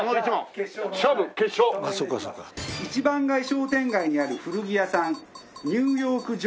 一番街商店街にある古着屋さんニューヨークジョー。